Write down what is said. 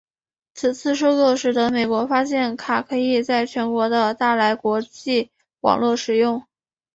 此次收购使得美国发现卡可以在全球的大来国际网络使用。